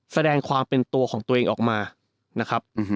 แสดงความเป็นตัวของตัวเองออกมานะครับ